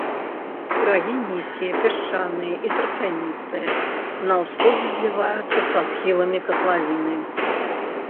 Берагі нізкія, пясчаныя і тарфяністыя, на ўсходзе зліваюцца са схіламі катлавіны.